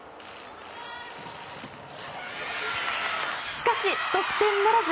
しかし得点ならず。